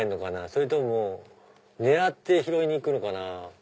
それとも狙って拾いに行くのかな？